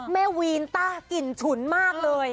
วีนต้ากลิ่นฉุนมากเลย